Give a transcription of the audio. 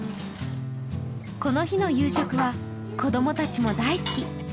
この日の夕食は子供達も大好き！